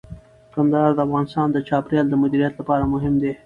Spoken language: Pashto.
کندهار د افغانستان د چاپیریال د مدیریت لپاره مهم دي.